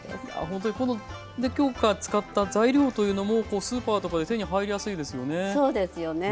ほんとに今日使った材料というのもスーパーとかで手に入りやすいですよね。